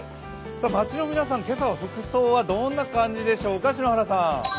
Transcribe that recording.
街の皆さん、今朝は服装どんな感じでしょうか。